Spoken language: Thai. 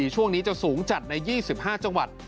ช่วงนี้จะสูงจัดใน๒๕จังหวัด